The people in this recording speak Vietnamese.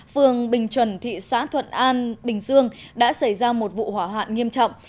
phường bình chuẩn thị xã thuận an bình dương đã xảy ra một vụ hỏa hoạn nghiêm trọng